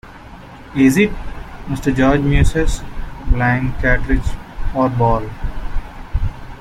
"Is it," Mr. George muses, "blank cartridge or ball?"